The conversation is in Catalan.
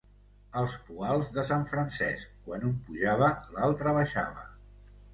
Els poals de sant Francesc, quan un pujava l'altre baixava.